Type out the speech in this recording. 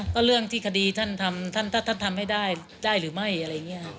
ก็เรื่องที่คดีท่านทำให้ได้หรือไม่อะไรอย่างนี้